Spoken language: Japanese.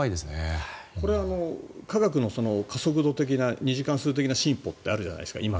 科学の加速度的な二次関数的な進歩ってあるじゃないですか。